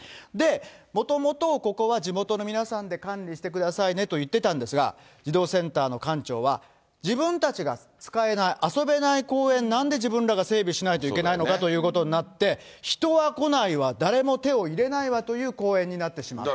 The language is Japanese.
もともとここは地元の皆さんで管理してくださいねと言ってたんですが、児童センターの館長は、自分たちが使えない、遊べない公園、なんで自分らが整備しないといけないのかということになって、人は来ないわ、誰も手を入れないわという公園になってしまったと。